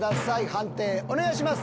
判定お願いします。